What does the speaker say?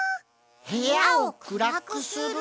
へやをくらくする？